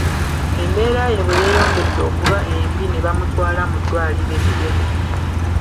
Embeera ye bwe yeeyongedde okuba embi ne bamutwala mu ddwaliro eddene.